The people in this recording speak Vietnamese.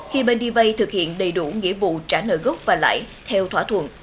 khi bên đi vay thực hiện đầy đủ nghĩa vụ trả nợ gốc và lãi theo thỏa thuận